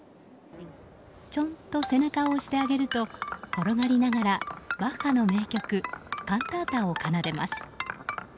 チョンと背中を押してあげると転がりながらバッハの名曲「カンタータ」を奏でます。